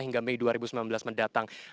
hingga mei dua ribu sembilan belas mendatang